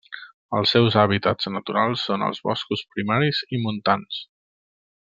Els seus hàbitats naturals són els boscos primaris i montans.